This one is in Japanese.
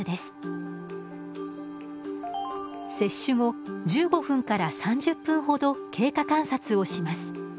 接種後１５分から３０分ほど経過観察をします。